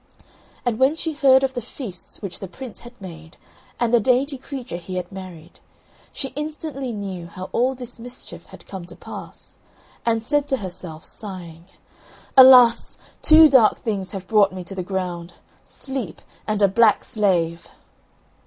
And when she heard of the feasts which the Prince had made, and the dainty creature he had married, she instantly knew how all this mischief had come to pass; and said to herself, sighing, "Alas, two dark things have brought me to the ground, sleep and a black slave!"